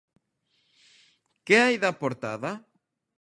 Que hai da portada?